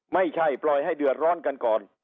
ไม่ใช่ปล่อยให้เดือดร้อนกันก่อน